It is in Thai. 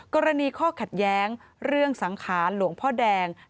กรณีข้อขัดแย้งเรื่องสังขารหลวงพ่อแดง